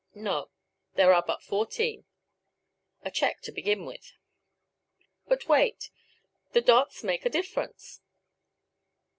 No, there are but fourteen. A check to begin with. But wait; the dots make a difference.